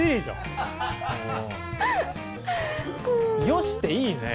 「よして！」いいね。